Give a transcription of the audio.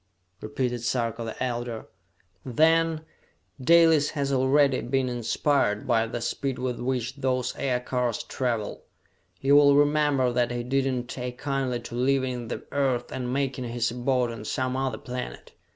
repeated Sarka the Elder. "Then, Dalis has already been inspired by the speed with which those aircars travel! You will remember that he did not take kindly to leaving the Earth and making his abode on some other planet!